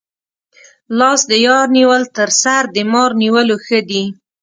لاس د یار نیول تر سر د مار نیولو ښه دي.